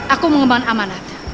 aku mengembang amanat